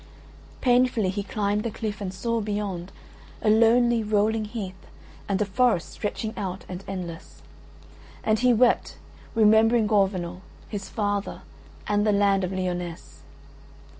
Painfully he climbed the cliff and saw, beyond, a lonely rolling heath and a forest stretching out and endless. And he wept, remembering Gorvenal, his father, and the land of Lyonesse.